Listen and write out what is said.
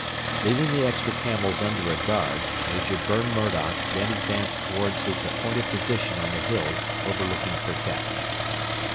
Leaving the extra camels under a guard, Major Burn Murdoch then advanced towards his appointed position on the hills overlooking Firket.